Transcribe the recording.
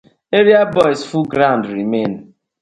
Area guyz full ground remain.